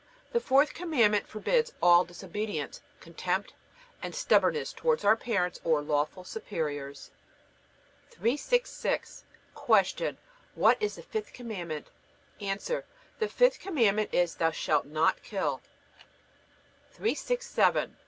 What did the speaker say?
The fourth Commandment forbids all disobedience, contempt, and stubbornness towards our parents or lawful superiors. 366. Q. What is the fifth Commandment? A. The fifth Commandment is: Thou shalt not kill. 367. Q.